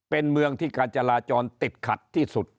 เป็นเมืองที่การจราจรติดขัดที่สุด